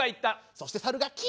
そして猿が「キ！」。